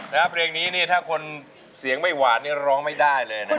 แล้วเพลงนี้นี่ถ้าคนเสียงไม่หวานนี่ร้องไม่ได้เลยนะครับ